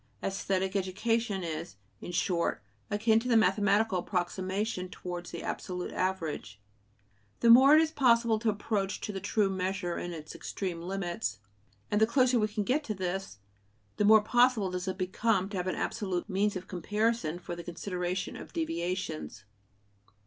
Aesthetic education is, in short, akin to the mathematical approximation towards the absolute average; the more it is possible to approach to the true measure in its extreme limits, and the closer we can get to this, the more possible does it become to have an absolute means of comparison for the consideration of deviations.